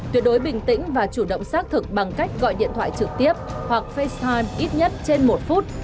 tuyệt đối bình tĩnh và chủ động xác thực bằng cách gọi điện thoại trực tiếp hoặc fatal ít nhất trên một phút